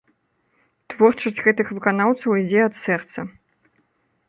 Творчасць гэтых выканаўцаў ідзе ад сэрца.